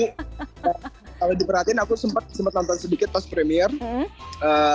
kalau diperhatiin aku sempet nonton sedikit post premiere